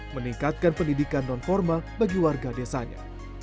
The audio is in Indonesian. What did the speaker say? meningkatkan pendidikan nonformal bagi warga desanya